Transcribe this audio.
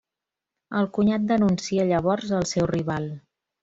El cunyat denuncia llavors el seu rival.